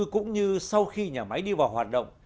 cũng như sau khi nhà máy đi vào hoạt động